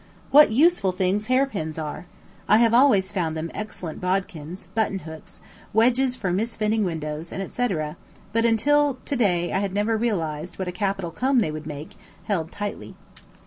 What useful things hair pins are! I have always found them excellent bodkins, button hooks, wedges for misfitting windows, &c., but until to day had never realized what a capital comb they would make, held tightly.